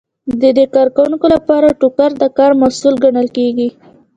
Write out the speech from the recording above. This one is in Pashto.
د دې کارکوونکو لپاره ټوکر د کار محصول ګڼل کیږي.